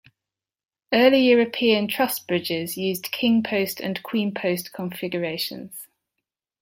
Early European truss bridges used king post and queen post configurations.